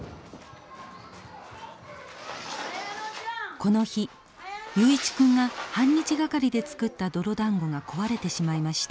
この日雄一君が半日がかりで作った泥だんごが壊れてしまいました。